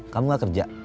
kamu gak kerja